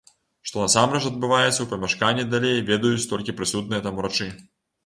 Што насамрэч адбываецца ў памяшканні далей, ведаюць толькі прысутныя там урачы.